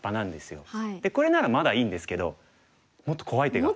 これならまだいいんですけどもっと怖い手が。